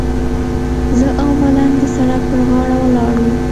زه او ملنګ د سړک پر غاړه ولاړ وو.